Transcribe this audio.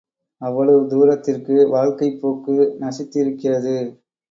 அவ்வளவு தூரத்திற்கு வாழ்க்கைப் போக்கு நசித்திருக்கிறது.